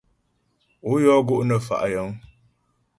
Ó yɔ́ gó' nə fa' yəŋ.